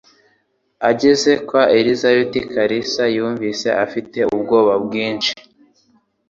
Ageze kwa Elisabeth, Kalisa yumvise afite ubwoba bwinshi